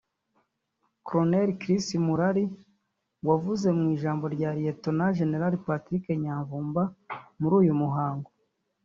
Col Chris Murari wavuze mu ijambo rya Lt Gen Patrick Nyamvumba muri uyu muhango